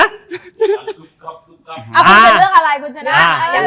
เอาความหวังเป็นเรื่องอะไรคุณชนะ